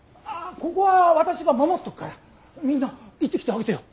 ここは私が守っとくからみんな行ってきてあげてよ。